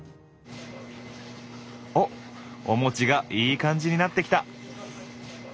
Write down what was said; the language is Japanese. おっお餅がいい感じになってきた。